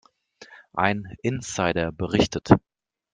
Ein Insider berichtet.